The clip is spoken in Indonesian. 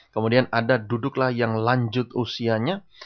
kemudian ada duduklah yang lanjut usianya